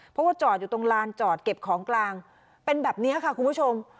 เพราะว่าจอดอยู่ตรงลานจอดเก็บของกลางเป็นแบบนี้ค่ะคุณผู้ชม